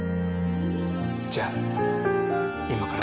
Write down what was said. じゃあ今から。